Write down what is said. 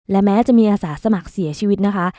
และแม้จะมีอาสาสมัครเสียชีวิตนะคะ